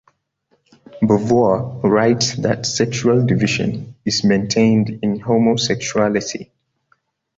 Beauvoir writes that sexual division is maintained in homosexuality.